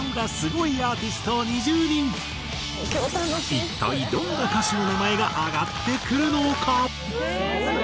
一体どんな歌手の名前が挙がってくるのか？